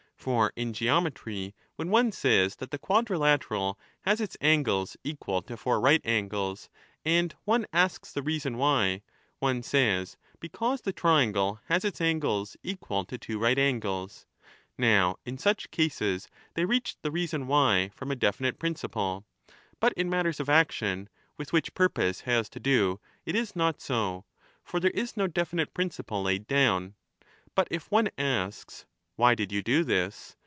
For in geometry, when one says that the quadrilateral has 10 its angles equal to four right angles, and one asks the reason why, one says, * Because the triangle has its angles equal to two right angles.' Now in such cases they reached the reason why from a definite principle ; but in matters of action, with which purpose has to do, it is not so (for there is no definite principle laid down), but if one asks, ' Why did you do this